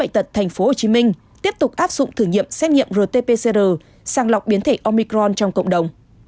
tại tp hcm tiếp tục áp dụng thử nghiệm xét nghiệm rt pcr sàng lọc biến thể omicron trong cộng đồng